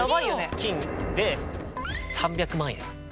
金で３００万円。